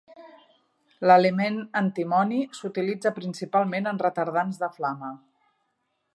L'element antimoni s'utilitza principalment en retardants de flama.